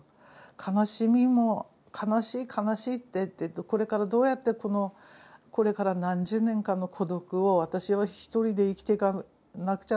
悲しみも悲しい悲しいってこれからどうやってこのこれから何十年かの孤独を私は一人で生きていかなくちゃ